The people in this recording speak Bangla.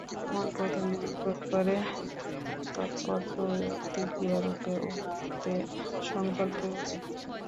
মন প্রথমে অনুভব করে এবং তৎপর প্রতিক্রিয়ারূপে উহাতে সঙ্কল্পের উদয় হয়।